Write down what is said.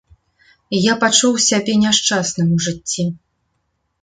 І я пачуў сябе няшчасным у жыцці.